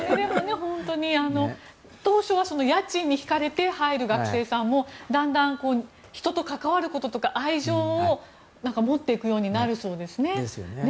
本当に当初は家賃に引かれて入る学生さんもだんだん人と関わることとか愛情を持っていくようになるそうですね。